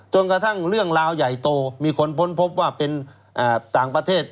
กระทั่งเรื่องราวใหญ่โตมีคนพ้นพบว่าเป็นต่างประเทศ